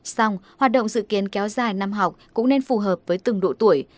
xong hoạt động dự kiến kéo dài năm học cũng nên phù hợp với từng độ tuổi